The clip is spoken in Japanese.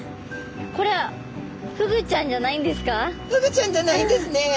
これフグちゃんじゃないんですね。